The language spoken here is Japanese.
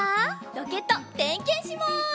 ロケットてんけんします。